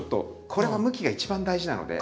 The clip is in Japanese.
これは向きが一番大事なので。